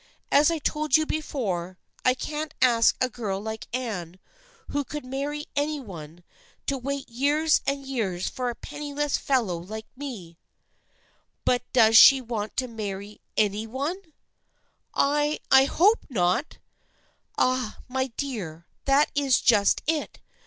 As I told you before, I can't ask a girl like Anne, who could marry any one, to wait years and years for a penniless fellow like me/ " But does she want to marry ' any one 1 ?"" I— I hope not !"" Ah, my dear, that is just it